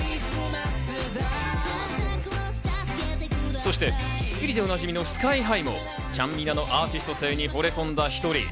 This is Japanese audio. そして『スッキリ』でおなじみのＳＫＹ−ＨＩも、ちゃんみなのアーティスト性に惚れ込んだ一人。